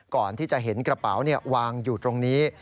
ก่อนที่จะเห็นกระเป๋าวางอยู่ตรงนี้